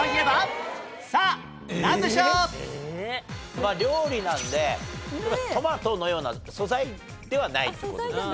まあ料理なのでトマトのような素材ではないっていう事ですね。